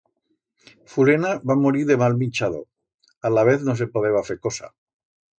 Fulena va morir de mal minchador, alavez no se podeba fer cosa.